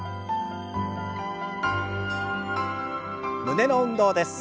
胸の運動です。